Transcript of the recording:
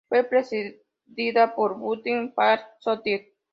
Fue precedida por "Bulletin, Palm Society.